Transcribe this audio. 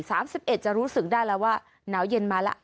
สามสิบเอ็ดจะรู้สึกได้แล้วว่าหนาวเย็นมาแล้ว